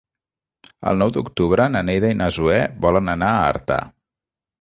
El nou d'octubre na Neida i na Zoè volen anar a Artà.